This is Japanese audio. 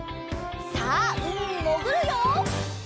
さあうみにもぐるよ！